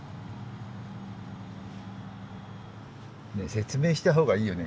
説明した方がいいよね？